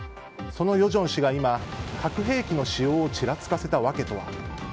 その与正氏が核兵器の使用をちらつかせたわけとは。